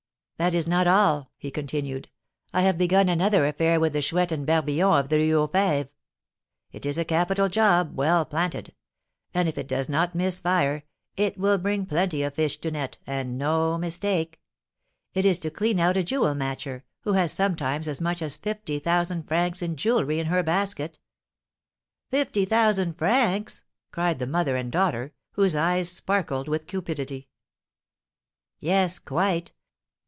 "That is not all," he continued. "I have begun another affair with the Chouette and Barbillon of the Rue aux Fêves. It is a capital job, well planted; and if it does not miss fire, it will bring plenty of fish to net, and no mistake. It is to clean out a jewel matcher, who has sometimes as much as fifty thousand francs in jewelry in her basket." "Fifty thousand francs!" cried the mother and daughter, whose eyes sparkled with cupidity. "Yes quite.